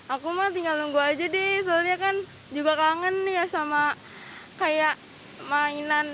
aku mah tinggal nunggu aja deh soalnya kan juga kangen ya sama kayak mainan